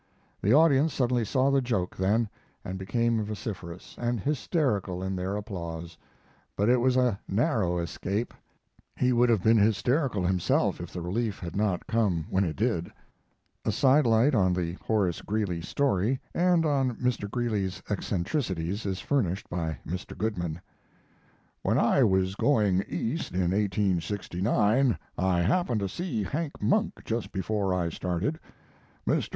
The audience suddenly saw the joke then, and became vociferous and hysterical in their applause; but it was a narrow escape. He would have been hysterical himself if the relief had not came when it did. [A side light on the Horace Greeley story and on Mr. Greeley's eccentricities is furnished by Mr. Goodman: When I was going East in 1869 I happened to see Hank Monk just before I started. "Mr.